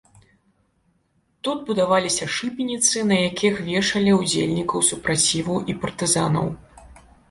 Тут будаваліся шыбеніцы, на якіх вешалі ўдзельнікаў супраціву і партызанаў.